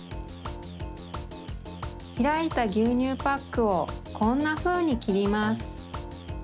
ひらいたぎゅうにゅうパックをこんなふうにきります。